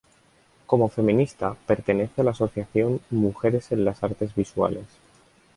Como feminista, pertenece a la asociación Mujeres en las Artes Visuales.